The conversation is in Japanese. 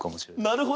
なるほど。